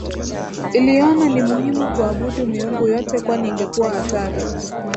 iliona ni muhimu kuabudu miungu yote kwani ingekuwa hatari